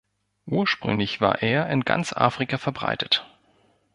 Ursprünglich war er in ganz Afrika verbreitet.